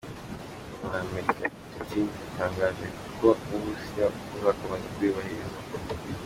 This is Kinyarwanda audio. Nyuma y’Amerika, Putin yatangaje ko n’Uburusiya butazakomeza kuyubahiriza.